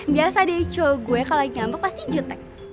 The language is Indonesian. biasa deh cowok gue kalo lagi nyampe pasti jutek